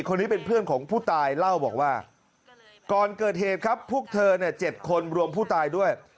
คนนี้เป็นเพื่อนของผู้ตายเล่าบอกว่าก่อนเกิดเหตุครับพวกเธอเนี่ย๗คนรวมผู้ตายด้วย